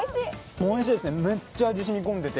おいしいですね、めっちゃ味染み込んでて。